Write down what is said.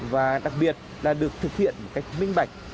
và đặc biệt là được thực hiện một cách minh bạch